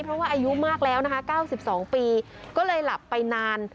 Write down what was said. เพราะว่าอายุมากแล้วนะคะ๙๒ปีก็เลยหลับไปนาน